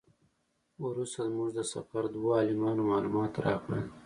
وروسته زموږ د سفر دوو عالمانو معلومات راکړل.